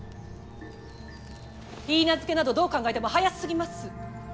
許婚などどう考えても早すぎます！